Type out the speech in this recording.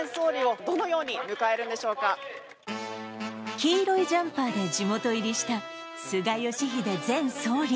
黄色いジャンパーで地元入りした菅義偉前総理。